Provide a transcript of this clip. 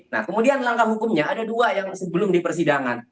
nah kemudian langkah hukumnya ada dua yang sebelum di persidangan